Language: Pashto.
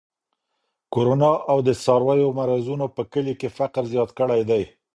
کرونا او د څارویو مرضونو په کلي کې فقر زیات کړی دی.